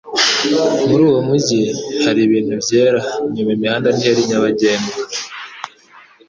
Muri uwo mujyi hari ibintu byera; nyuma, imihanda ntiyari nyabagendwa.